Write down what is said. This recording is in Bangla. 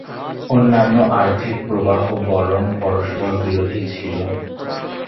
অন্যান্য আর্থিক প্রবাহ বরং পরস্পরবিরোধী ছিল।